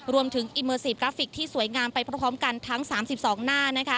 รวมถึงอิมเมอร์สิฟท์กราฟิกที่สวยงามไปพร้อมกันทั้ง๓๒หน้า